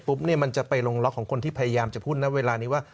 มันจะไปลงล็อกของคนที่พยายามจะพูดนะเวลานี้ว่า